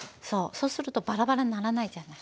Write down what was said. そうするとバラバラにならないじゃない。